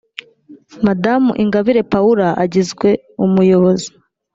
madamu ingabire paula agizwe umuyobozi